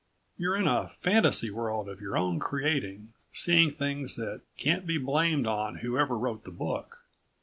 You're in a fantasy world of your own creating, seeing things that can't be blamed on whoever wrote the book.